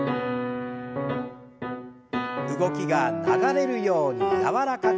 動きが流れるように柔らかく。